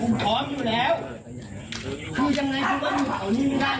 ผมพร้อมอยู่แล้วพูดยังไงผมว่าอยู่ข้างนี้ไม่ได้อยู่แล้ว